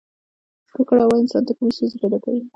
ککړه هوا انسان ته کومې ستونزې پیدا کوي